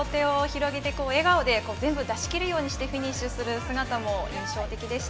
両手を広げて笑顔で全部出し切りようにフィニッシュする姿も印象的でした。